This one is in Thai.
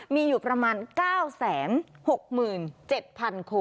มีอยู่ประมาณ๙๖๗๐๐คน